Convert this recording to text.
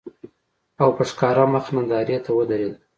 او په ښکاره مخ نندارې ته ودرېده